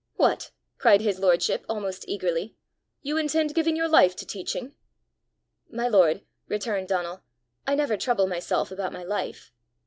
"What!" cried his lordship almost eagerly; "you intend giving your life to teaching?" "My lord," returned Donal, "I never trouble myself about my life.